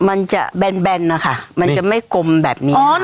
มันจะแบนนะคะมันจะไม่กลมแบบนี้